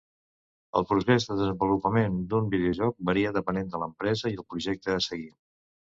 El procés de desenvolupament d'un videojoc varia depenent de l'empresa i el projecte a seguir.